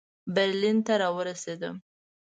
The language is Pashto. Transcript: برلین ته را ورسېدم.